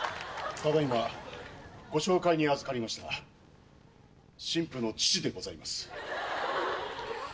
ただいま、ご紹介に預かりました、新婦の父でございます。